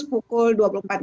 tapi yang paling penting